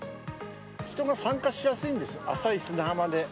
人が参加しやすいんです、浅い砂浜で。